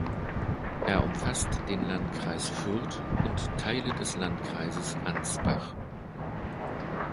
Er umfasst den Landkreis Fürth und Teile des Landkreises Ansbach.